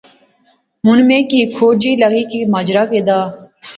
ہن میں کی ہیک کھوج جئی لغی گئی کہ ماجرا کہہ دا